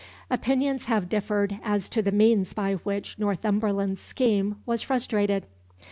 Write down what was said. Opinions have differed as to the means by which Northumberland's scheme was frustrated.